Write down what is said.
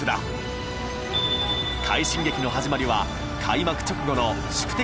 快進撃の始まりは開幕直後の宿敵